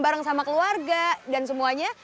bareng sama keluarga dan semuanya